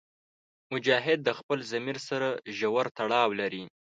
مجاهد د خپل ضمیر سره ژور تړاو لري.